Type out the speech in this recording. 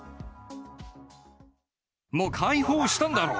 もう解放したんだろう。